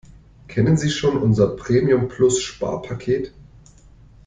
Kennen Sie schon unser Premium-Plus-Sparpaket?